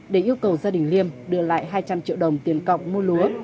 để yêu cầu gia đình liêm đưa lại hai trăm linh triệu đồng tiền cọc mua lúa